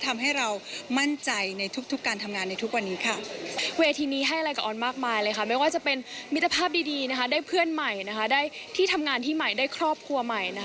ได้เพื่อนใหม่นะคะได้ที่ทำงานที่ใหม่ได้ครอบครัวใหม่นะคะ